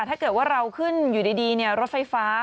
ถ้าเกิดว่าเราขึ้นอยู่ดีรถไฟฟ้า